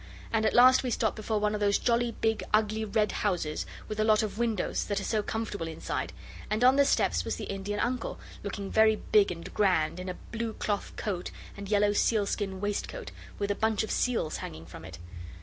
And at last we stopped before one of those jolly, big, ugly red houses with a lot of windows, that are so comfortable inside, and on the steps was the Indian Uncle, looking very big and grand, in a blue cloth coat and yellow sealskin waistcoat, with a bunch of seals hanging from it.